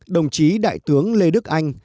đồng chí đại tướng lê đức anh